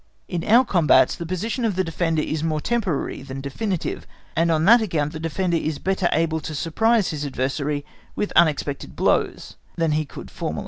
In our combats the position of the defender is more temporary than definitive, and on that account the defender is better able to surprise his adversary with unexpected blows, than he could formerly.